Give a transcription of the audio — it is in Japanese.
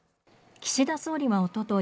岸田総理はおととい